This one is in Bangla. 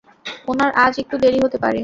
উনার আজ একটু দেরি হতে পারে।